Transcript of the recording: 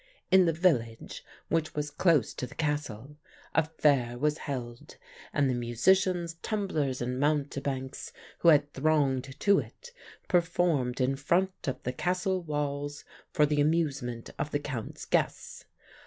In the village, which was close to the castle, a fair was held, and the musicians, tumblers, and mountebanks, who had thronged to it, performed in front of the castle walls for the amusement of the Count's guests.